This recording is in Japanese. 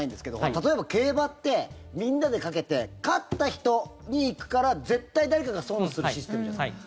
例えば、競馬ってみんなで賭けて勝った人に行くから、絶対誰かが損するシステムじゃないですか。